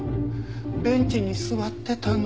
ベンチに座ってたの。